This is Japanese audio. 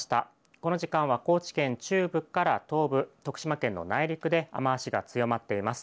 この時間は高知県中部から東部徳島県の内陸で雨足が強まっています。